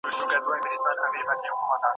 د مقالي لپاره نوي منابع پیدا کړه.